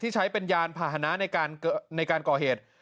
ใช้เป็นยานพาหนะในการก่อเหตุ